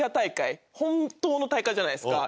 本当の大会じゃないですか。